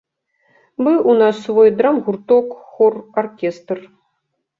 Быў у нас свой драмгурток, хор, аркестр.